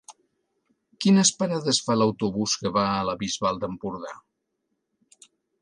Quines parades fa l'autobús que va a la Bisbal d'Empordà?